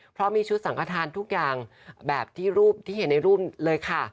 เพราะมีชุดสังขทานทุกอย่างแบบที่รูปที่เห็นในรูปเลยค่ะ